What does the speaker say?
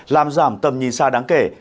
làm giảm tầm nhìn xa đáng kể